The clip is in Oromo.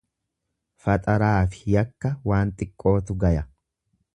Faxaraafi yakka waan xiqqootu gaya.